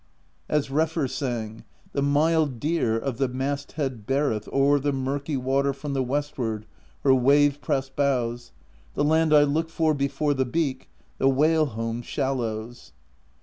As Refr sang: The mild deer of the masthead beareth O'er the murky water from the westward Her wave pressed bows; the land I look for Before the beak; the Whale Home shallows.